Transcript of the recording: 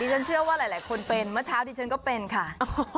ฉันเชื่อว่าหลายคนเป็นเมื่อเช้าดิฉันก็เป็นค่ะ